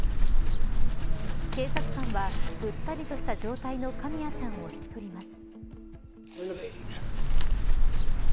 警察官は、ぐったりとした状態のカミヤちゃんを引き取ります。